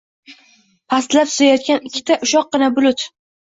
Pastlab suzayotgan ikkita ushoqqina bulut.